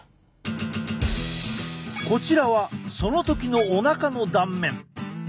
こちらはその時のおなかの断面。